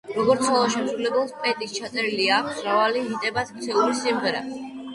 როგორც სოლო შემსრულებელს, პეტის ჩაწერილი აქვს მრავალი, ჰიტებად ქცეული სიმღერა.